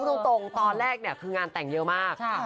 ช่างตรงตอนแรกนะคืองานแต่งเยอะมาก